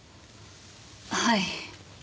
はい。